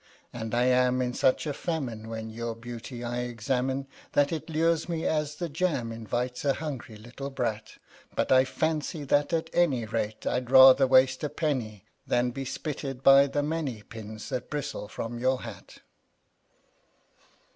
And I am in such a famine when your beauty I examine That it lures me as the jam invites a hungry little brat; But I fancy that, at any rate, I'd rather waste a penny Than be spitted by the many pins that bristle from your hat.